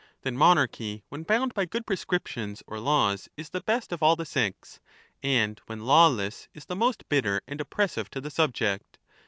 Then monarchy, when bound by good prescriptions Monarchy, or laws, is the best of all the six, and when lawless is the 0"^!^°"" most bitter and oppressive to the subject.